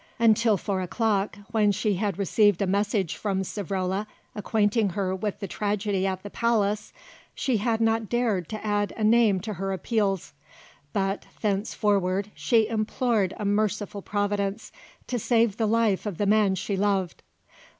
Until four o'clock, when she had received a message from Savrola acquainting her with the tragedy at the palace, she had not dared to add a name to her appeals; but thenceforward she implored a merciful Providence to save the life of the man she loved.